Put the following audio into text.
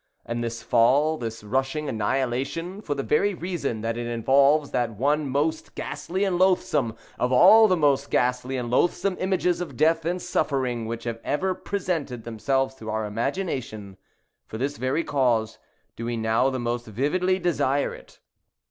And this fall—this rushing annihilation—for the very reason that it involves that one most ghastly and loathsome of all the most ghastly and loathsome images of death and suffering which have ever presented themselves to our imagination—for this very cause do we now the most vividly desire it.